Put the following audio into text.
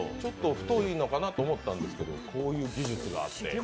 太いのかなと思ったんですが、こういう技術があって。